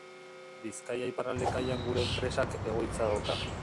Bizkaia iparralde kaian gure enpresak egoitza dauka.